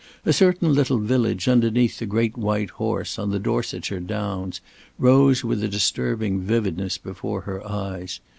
A certain little village underneath the great White Horse on the Dorsetshire Downs rose with a disturbing vividness before her eyes.